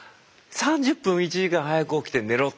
３０分１時間早く起きて寝ろ。